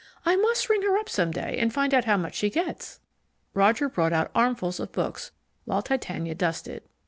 "I must ring her up some day and find out how much she gets." Roger brought out armfuls of books while Titania dusted.